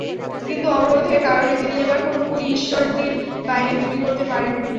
কিন্তু অবরোধের কারণে তিনি এবার কোনো কুলই ঈশ্বরদীর বাইরে বিক্রি করতে পারেননি।